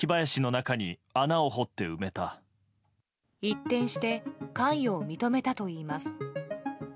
一転して関与を認めたといいます。